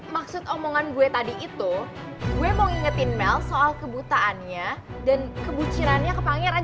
maksud omongan gue tadi itu gue mau ngingetin mell soal kebutaannya dan kebucirannya ke pangeran